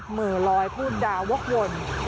เหมือลอยพูดดาวกวน